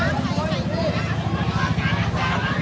การประตูกรมทหารที่สิบเอ็ดเป็นภาพสดขนาดนี้นะครับ